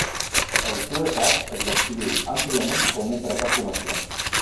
El CueCat es descriu àmpliament com un fracàs comercial.